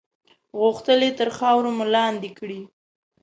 غوښتل یې تر خاورو مو لاندې کړي.